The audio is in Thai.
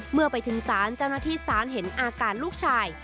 เมื่อไปถึงศาลเจ้าหน้าที่ศาลเห็นอาการลูกชาย